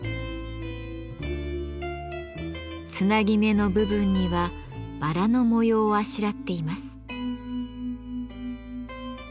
つなぎ目の部分にはバラの模様をあしらっています。